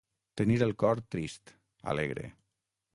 Tenir el cor trist, alegre.